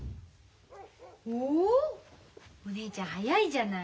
おおお姉ちゃん早いじゃない。